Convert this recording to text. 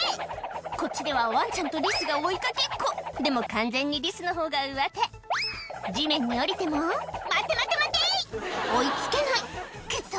こっちではワンちゃんとリスが追い掛けっこでも完全にリスのほうがうわて地面に下りても「待て待て待て！」追い付けない「クソ！